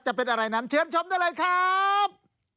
จะเป็นอะไรนั้นเชิญชมได้เลยครับ